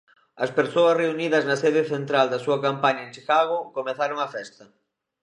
As persoas reunidas na sede central da súa campaña en Chicago comezaron a festa.